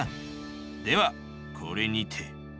ではこれにて。